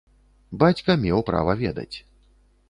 Бацька меў права ведаць.